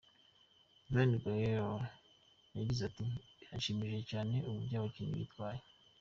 Van Gaal yagize ati:” Birashimishije cyane uburyo abakinnyi bitwaye.